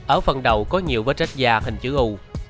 ở phần đầu có nhiều vết rách da hình chữ u